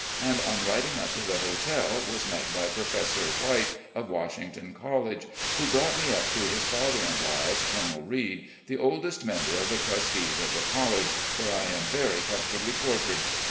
and on riding up to the hotel was met by Professor White, of Washington College, who brought me up to his father in law's. Colonel Reid, the oldest mem ber of the trustees of the college, where I am very com fortably quartered.